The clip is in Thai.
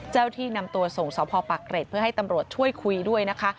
ที่นำตัวส่งสพปักเกร็ดเพื่อให้ตำรวจช่วยคุยด้วยนะคะ